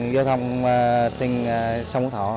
vô thông trên sông thọ